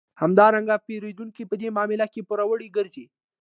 همدارنګه پېرودونکی په دې معامله کې پوروړی ګرځي